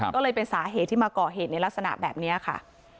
ก็เลยเป็นสาเหตุที่มาก่อเหตุในลักษณะแบบนี้ค่ะ